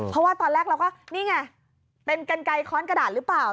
เพราะว่าตอนแรกเราก็นี่ไงเป็นกันไกลค้อนกระดาษหรือเปล่า